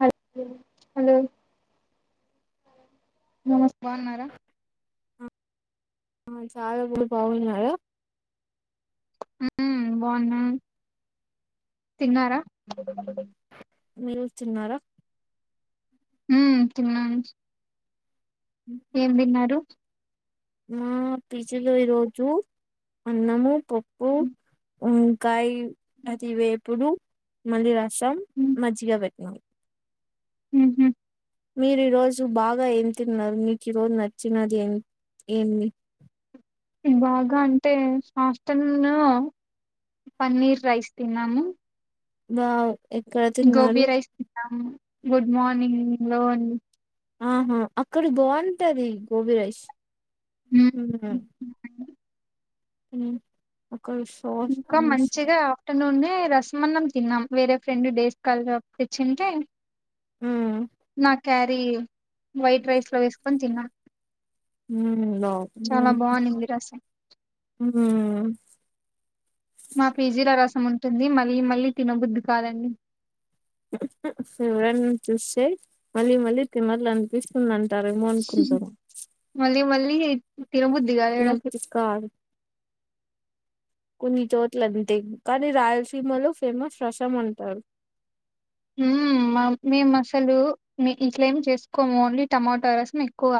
హా హలో నమస్తే ఆ మి సాయిబులు బాగున్నార హుమ్ బాగున్నా తిన్నారా మీరు తిన్నారా ఉమ్ తిన్నాను ఉమ్ ఏం తిన్నారు మా పీజీ లో ఈరోజు అన్నము పప్పు ఉమ్ కాయ అది వేప్పుడు మళ్ళీ రాసాం మజ్జిగా పెట్టినం ఉహుమ్ మీరు ఈ రోజు బాగా ఏం తిన్నారు మీకు ఈ రోజు నచ్చినది ఏం ఏమి బాగా అంటే హాస్టలో పన్నీర్ రైస్ తిన్నాము వావ్ గోబీ రైస్ తిన్నాం గుడ్ మార్నింగ్ లో ఆహా అక్కడ బాగుంటది గోబి రైస్ ఉహుమ్ తినకండి ఊ ఒక విష్ ఇంకా మంచిగా అట్ట నుండే రసమన్నం తిన్నాం వేరే ఫ్రెండ్ డేస్ కల్ తెచ్చింటే నా క్యారీ వైట్ రైస్లో వేసుకొని తిన్నా ఉమ్ బాగుంది చాలా బోనింది రాసం హ మా పీజీల రసం ఉంటుంది మళ్ళీ మళ్ళీ తినబుద్ధి కాదండి ఎవరేనా చూస్తే మలీ మలి తినాలంపీస్ అంటారేమో అనుకుంటాను మళ్ళీ మళ్ళీ తినబద్ధిగాదు ఇడశల్ తినబుద్ధి కాదు కొన్ని చోట్ల అంతే కానీ రాయలసీమలో ఫేమస్ రసం అంటారు ఉమ్ మేమాసాలు ఇట్లమి చేస్కోము ఓన్లీ టమాటో రసంమే ఎక్కువ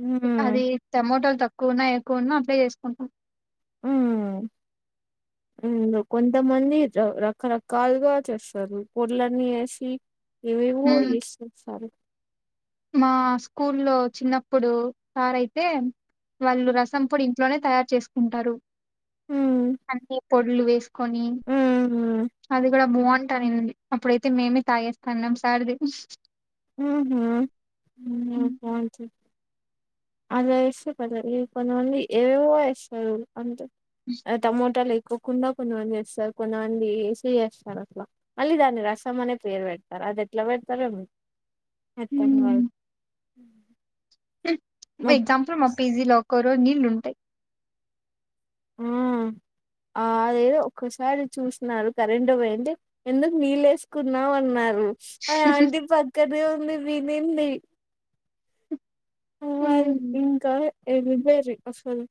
ఉమ్ అది టమోటోలు తక్కువన్నా ఎక్కువన్నా అవె చేస్కుంటాం అ [inaudible] ఆ కొంతమంది రకరక్లుగా చేస్తారు పొడిలన్నీవేసి ఏమేవో మ్మ్ ఎస్చేస్తరు మా స్కూలో చిన్నప్పుడు సార్ అయితే వాళ్ళు రసం పొడి ఇంట్లోనే తయారు చేసుకుంటారు అంటే పొడ్లు వేసు కొని ఉహ్మ్ అది కూడా బాగుంటానండి అప్పుడైతే మేమే తాగేస్తాన్నాం సార్ది ఊహ్మ్ ఉంన బొంటాది అదేస్తే కాదు ఇ కొంతమంది ఏవోవో ఎస్తారు అంతే ఉ టమోటాలు లేకోకుండా కొంతమంది వస్తారు కొంతమంది వేసి ఎస్తారు అట్లా మళ్ళీ దాన్ని రసం అనే పేరు పెడ్తారు అది ఎట్లా పెడతారో ఎమో మ్మ్ ఉ ఎగ్జాంపుల్ మా పజీలో ఒకరు నీళ్ళు ఉంటాయి ఆ [inaudible] ఆ అదేదో ఒక్కసారి చూస్తున్నారు కరెంటు పోయి ఎందుకు నీళ్ళే కున్నామన్నారు ఆ ఆంటీ పక్కనే ఉంది వినింది వాల్ ఇంకా ఎల్లిపోరు అసలు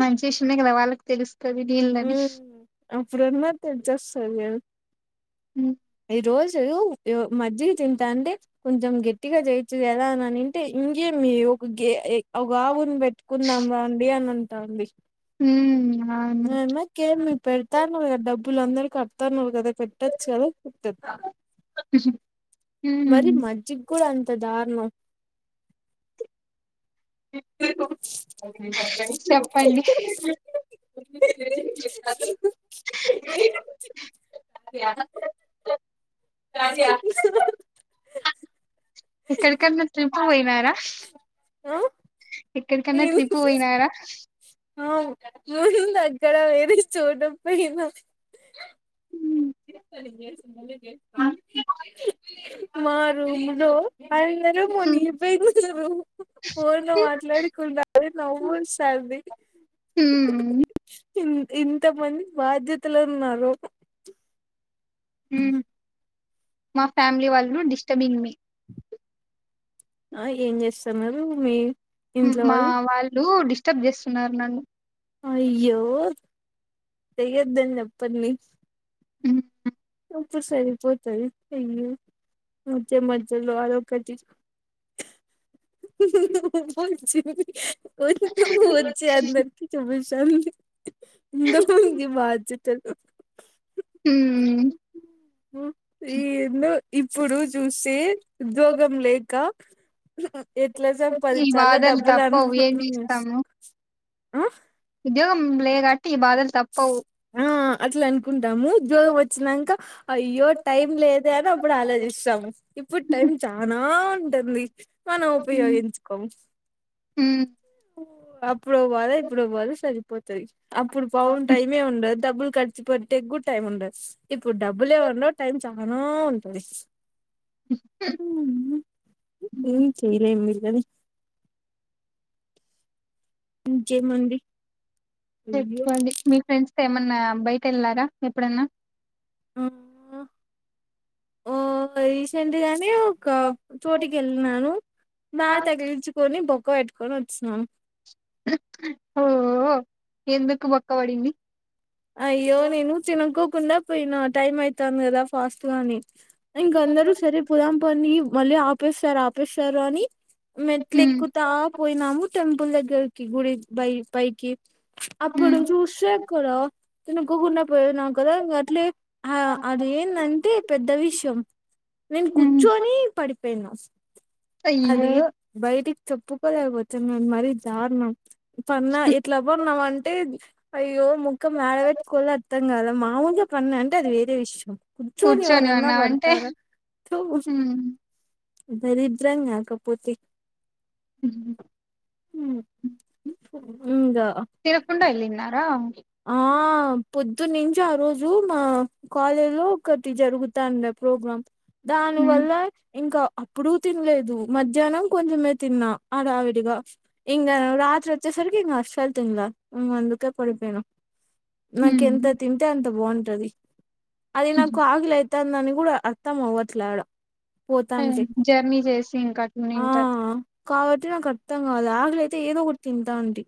మంచి విషమే కదా వాళ్ళకి తెలుస్తుంది నీళ్ళని అప్పుడైనా తెల్సొస్తది కథ ఉ ఈ రోజు మజ్జిగ తింటా అంటే కొంచెం గట్టిగా చేయచ్చు కదా అనినింటే ఇంకేమి ఒక గే ఒక ఆవును పెట్టుకుందాం రండి అని అంటుంది అవును మెమో కేమిక్పెడతాన్నా కదా డబ్బులు అందరుూ కడతారున్నారు కదా పె టచ్ కద ఇప్తతి ఊ మరి మజ్జిగూడా అంత దారుణం చెప్పండి [unintelligible] గాడిద ఎక్కడికన్నా ట్రిప్పు పోయినారా. ఎక్కడికన్నా ఏము. ట్రిప్ పోయినారా ముందు ఉంది అక్కడ వేర చోట పోనా. ఉమ్ మా రూమ్ లో అది ఏమో నీ పేరు చూపరు. ఫోన్లో మాట్లాడి కున్నా నవ్వొస్తది. ఉమ్. ఇన్ ఇంతమంది బాధ్యతలు ఉన్నారు. ఉమ్ మా ఫ్యామిలీ వాళ్ళు డిస్టర్బింగ్ మీ. ఆహ్ ఏం చేస్తూన్నారు మీరు. మా వాళ్ళు డిస్టర్బ్ చేస్తున్నారు నన్ను. అయ్యో చేయొద్దండి అప్పన్ని. ఉమ్. ఇప్పుడు సరిపోతాది అయ్యో మధ్య మధ్యలో అదోకటి. [inaudible] వచ్చినయ్. వచ్చి అందరికీ చూపించాను [unintelligible] తెలుసు ఉమ్. ఏందో. ఇప్పుడు చూస్తే ఉద్యోగం లేక ఎట్లా చం పది ఈ చాల బాధలు డబ్బులు తప్పవు ఏం అమ్ము చేస్తాము ఆహ్. ఉద్యోగం లేదు కాబట్టి ఈ బాధలు తప్పవు. ఆహ్ అట్లా అనుకుంటాము ఉద్యోగం వచ్చినాంక అయ్యో టైం లేదే అని అప్పుడు ఆలోచిస్తాము ఇప్పుడు టైం చానా ఉంటుంది. మనం ఉపయోగించుకోం. ఉమ్. అప్పుడు పోవలా ఇప్పుడు పోవాలా సరిపోతది అప్పుడు పాపం టైమే ఉండదు డబ్బులు కట్. ఇప్పుడు ఎగు టైం ఉండదు ఇప్పుడు డబ్బులు ఏమన్నా టైం చానా ఉంటది. ఉహూ. ఉమ్ ఏం చేయలేం వీలనీ. ఇంకేముంది. చెప్పాండి మీ ఫ్రెండ్స్ తో ఏమన్నా బయట వెళ్ళారా ఎప్పుడన్నా. ఓ రీసెంట్ గానే. ఒక చోటికి వెళ్ళినాను బాగా తగిలించుకొని బొక్క పెట్టుకొని వచ్చినాను. ఓ ఎందుకు బోక్కపడింది. అయ్యో నేను చునుకోకుండా పోయిన టైం అయితాంది కదా ఫాస్ట్ గాని. ఇంక అందరు సరే పోదాంపండి మళ్ళీ ఆపేస్తారు ఆపేస్తారు అని. మెట్లు హ్మ్ ఎక్కుతా పోయినాము టెంపుల్ దగ్గరికి గుడి పై పైకి. ప్చ్ అప్పుడు చూసి ఎక్కర. తనుకోకుండా పోయిన్నావు కదా ఇంకా అట్లే హ్మ్ అదేందంటే పెద్ద విషయం. నేను హ్మ్ కూర్చోని పడిపోయినా. అయ్యో అది బయటికి చేప్పుకోలేకపోతున్నాం మరీ దారుణం పన్నా ఎట్లా పన్నావు అంటే అయ్యో ము. ముఖం యాడ పెట్టుకోవల అర్థం కాలే మామూలుగా పడిన అంటే అది వేరే విషయం కూర్చొని ఏవరన్నా పెడుతారు. హ్మ్ దరిద్రం కాకపోతే ఉహు [unintelligible] తిరకుండా ఏల్లిన్నార ఆ పొద్దున్న నుంచి ఆ రోజు మా కాలేజ్లో ఒకటి జరుగుతాండే ప్రోగ్రాం దాని వల్ల ఇంక అప్పుడు తినలేదు మధ్యాహ్నం కొంచమే తిన్నా హడావిడిగా ఇంక రాత్రి వచ్చే సరికి ఇంగ అసలు తిన్లే ఇంగ అందుకే పడిపోయిన నాకు ఎంత హ్మ్ తింటే అంత బాగుంటది అది నాకు ఆకలి అయితంది అని కూడ మొత్తం అవ్వట్లాడ హ్మ్. పోతాంటే జర్నీ చేసి ఇంకా ఆ అట్లున్నింటారు కాబట్టి నాకు అర్థం కాదు ఆగలియితే ఏదో ఒకటి తింటా అంటి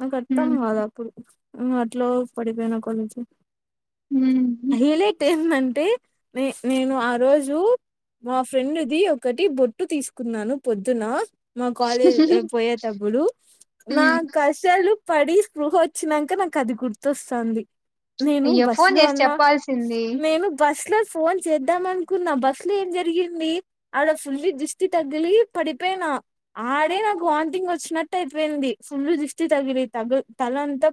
నాకు అర్థం హ్మ్ కాద అప్పుడు అట్లో పడిపోయిన కొంచం హ్మ్ హ్మ్. హైలట్ ఏందంటే నే నేను ఆ రోజు మా ఫ్రెండ్ది ఒకటి బొట్టు తీసుకున్నాను పొద్దున మా కాలేజ్ పోయేటప్పుడు నా కసాలు పడి స్పృహ వచ్చినక [unintelligible] నాకు అది గుర్తొస్తతాంది నేను అయ్యో బస్సు ఫోన్ లో చేసి ఉన్నా చెప్పాల్సింది నేను బస్ లో ఫోన్ చేద్దాం అనుకున్న బ అ ఏం జరిగింది ఆడ ఫుల్లీ దుష్టి తగిలి పడిపోయినా ఆడే నాకు వాంతింగ్ వచ్చినట్ పట్ అయితుపోయింది ఫుల్లు దిస్తి తగిలి తగ తల అంతా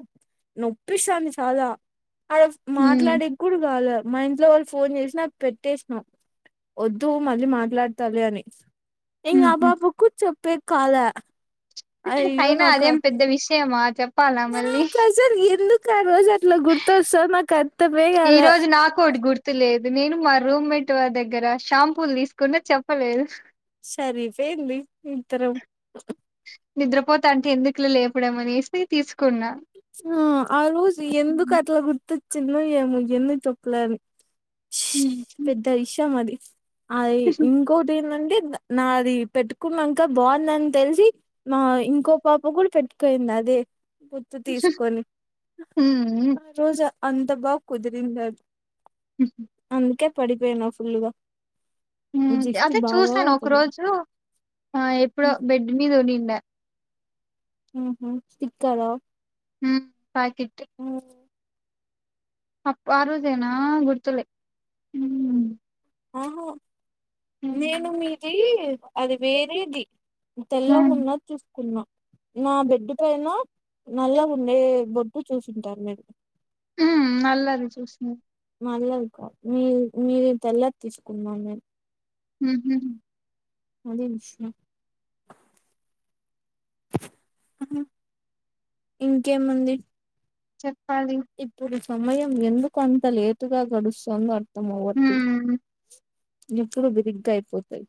నొప్పిస్తాంది చాల ఆడ హ్మ్ మాట్లాడి ప్పుడు కావాల మా ఇంట్లో వాళ్ళు ఫోన్ చేసిన పెట్టేసిన వద్దు మళ్ళీ మాట్లాడతలే [unintelligible] ఇంగ అబ్బా హుహు. అబ కూ చెప్పే కాల అయినా అయ్యోనాక అదేం పెద్ద విషయమా చెప్పాల మళ్ళీ [unintelligible] ల్ ఎందుకు ఆ రోజు అట్లా గుర్తొస్త [unintelligible] ఈ రోజు నాకోటి గుర్ గుర్తు లేదు నేను మా రూమ్మేట్ వారి దగ్గర షాంపూలు తీసుకుంన చెప్పలేదు సరిపోయింది ఇద్దరం నిద్రపోతాంటే ఎందుకులే లేపడం అనేసి తీసుకున్న ఆ ఆ రోజు ఎందుకు అట్లా గుర్తొచ్చిందో ఏమో ఎన్ని [unintelligible] ఊహు పెద్ద ఇషయం అది అది ఇంకోటి ఏందంటే నాది పెట్టుకున్నాంక బావుందని తెలిసి మా ఇంకో పాప కూడా పెట్టుకోయింది అదే త తీసుకొని హ్మ్ ఆ రోజు అంత బాగ కుదిరిందది ఉహు అందుకే పడిపోయిన ఫుల్గ అదే చూసాను ఒక రోజు ఆ ఎప్పుడో బెడ్ మీద ఉన్నిండ ఊహు స్టిక్కర ఊ పాకిట్ ఆ అప్ప ఆరోజేనా గుర్తులే ఆహో హ్మ్ నేను మీ తీ అది వేరేది హ్మ్ తెల్లగున్నది తీసుకున్న నా బెడ్డు పైన నల్ల గుండే బొడ్డు చూసింటారు [unintelligible] ఊమ్ నల్లది చూసింది నల్లది కాదు మీ మీది తెల్లది తీసుకున్నాం మేము ఊహు అది [inaudible] ఇంకేం ఉంది చెప్పాలి ఇప్పుడు సమయం ఎందుకంత లేటుగా గడుస్తుందో అర్థం అవ్వట్లే హ్మ్ గిప్పుడు బిరిగ్గా అయిపోతాయ్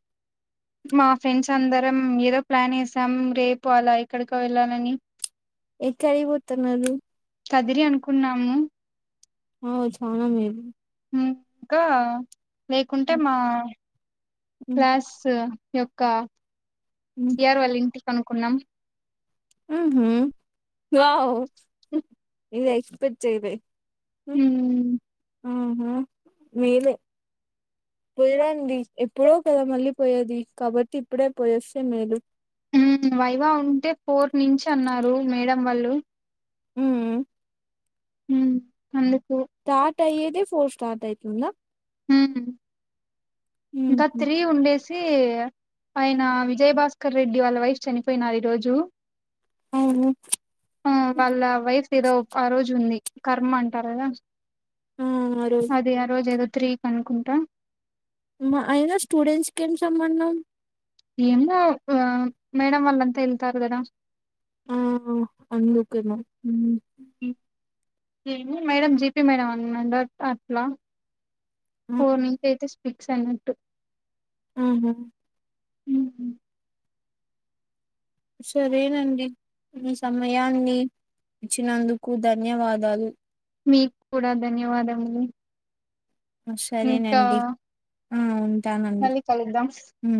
మా ఫ్రెండ్స్ అందరం ఏదో ప్లాన్ ఏసాం రేపు అలా ఎక్కడికో వెళ్ళాలని ఎక్కడికి పోతన్నారు కదిరి అనుకున్నాము ఔ చానా మేలు ఊ ఇంకా లేకుంటే మా క్లాసు యొక్క సిఆర్ వాళ్ళ ఇంటికి అనుకున్నాం ఊహు వావ్ ఇది ఎక్స్పెక్ట్ చేయలే ఉమ్ ఊహు మేలే పోయిరండి ఎప్పుడో కదా మళ్ళీ పోయేది కాబట్టి ఇప్పుడే పోయొస్తే మేలు ఊ వైవా ఉంటే ఫోర్ నుంచి అన్నారు మేడం వాళ్ళు ఊ ఊ అందుకు స్టార్ట్ అయ్యేదే ఫోర్ స్టార్ట్ అయితుందా ఊ ఇంకా మ్మ్ త్రీ ఉండేసి ఆయన విజయభాస్కర్ క్కర్ రెడ్డి వాళ్ళ వైఫ్ చనిపోయినారు ఈ రోజు అవును ఆ వాళ్ళ వైఫ్ ఏదో ఆ రోజు ఉంది కర్మ అంటారు కదా ఆ ఆ రోజు అదే ఆ రోజు ఏదో త్రీ కనుకుంటా అయినా స్టూడెంట్స్ కేం సంబంధం ఏమో ఆ మేడం వాళ్ళంతా వేళ్తారు గదా ఆ అందుకు ఏమో ఊ ఏమో మేడం జిపీ మేడం అన్నా డాట్ ఆట్లా ఫోర్ నుంచైతే పిక్స్ అన్నట్టు అవునా ఉమ్. సరేనండి మీ సమయాన్ని ఇచ్చినందుకు ధన్యవాదాలు మీకూడా ధన్యవాదములు ఇంకా సరేనండి ఆ ఉంటానండి మళ్ళీ కలుద్దాం ఉ